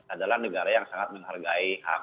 adalah negara yang sangat menghargai hak